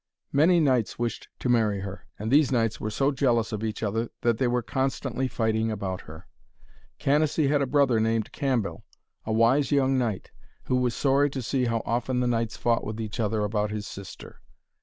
Many knights wished to marry her, and these knights were so jealous of each other that they were constantly fighting about her. Canacee had a brother named Cambell, a wise young knight, who was sorry to see how often the knights fought with each other about his sister.